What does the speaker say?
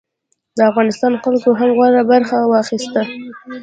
د افغانستان خلکو هم غوره برخه واخیسته.